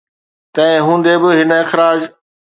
تنهن هوندي به، هن اخراج